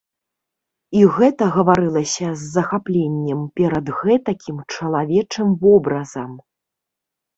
І гэта гаварылася з захапленнем перад гэтакім чалавечым вобразам.